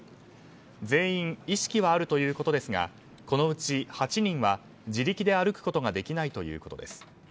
全員意識はあるということですがこのうち８人は自力で歩くことができないということです。